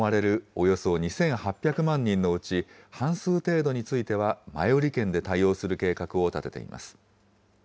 およそ２８００万人のうち半数程度については前売券で対応する計画を立てています。